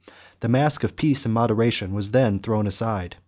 The mask of peace and moderation was then thrown aside.